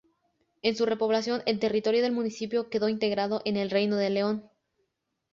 En su repoblación el territorio del municipio quedó integrado en el Reino de León.